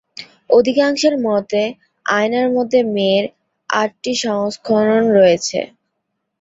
অধিকাংশের মতে, "আয়নার মধ্যে মেয়ের" আটটি সংস্করণ রয়েছে।